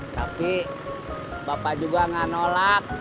tapi bapak juga nggak nolak